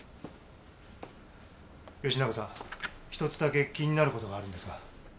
永さん一つだけ気になる事があるんですが。